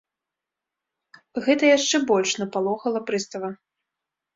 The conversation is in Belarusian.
Гэта яшчэ больш напалохала прыстава.